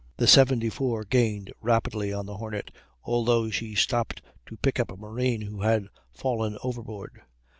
The 74 gained rapidly on the Hornet, although she stopped to pick up a marine who had fallen overboard.